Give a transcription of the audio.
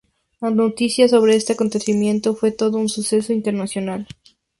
La noticia sobre este acontecimiento fue todo un suceso internacional.